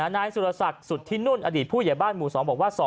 นายสุรษักรรมสุทธินุลหลักษณ์อดีตผู้ใหญ่บ้านหมู่๒บอกว่า